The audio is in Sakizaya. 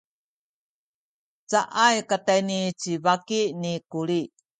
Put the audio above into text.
caay katayni ci baki ni Kuli.